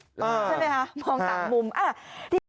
ใช่ไหมคะมองต่างมุม